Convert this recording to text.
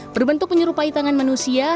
berbentuk penyerupai tangan manusia